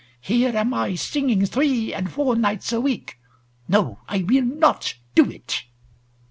Here am I singing three and four nights a week,—no, I will not do it."